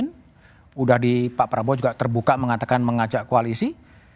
sudah di pak prabowo juga terbuka mengatakan mengajak koalisi